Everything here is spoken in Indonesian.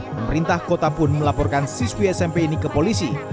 pemerintah kota pun melaporkan siswi smp ini ke polisi